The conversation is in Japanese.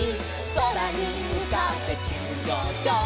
「そらにむかってきゅうじょうしょう」